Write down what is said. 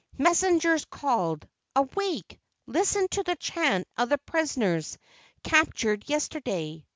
Messengers called: "Awake! Listen to the chant of the prisoners, captured yesterday."